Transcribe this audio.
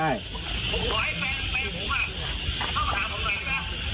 แม่อยู่ไหน